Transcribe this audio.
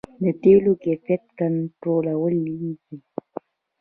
د تیلو کیفیت کنټرولیږي؟